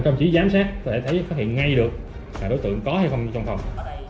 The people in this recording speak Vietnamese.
trong chí giám sát tôi đã thấy phát hiện ngay được là đối tượng có hay không trong phòng